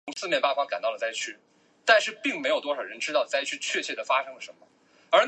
不是所有面向对象编程语言都支持元类。